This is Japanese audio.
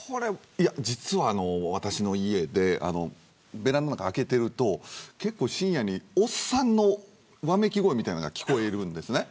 実は私の家でベランダを開けていると結構深夜におっさんのわめき声みたいなのが聞こえるんですね。